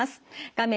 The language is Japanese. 画面